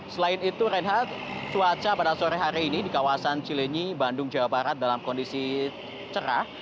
selain itu reinhardt cuaca pada sore hari ini di kawasan cilenyi bandung jawa barat dalam kondisi cerah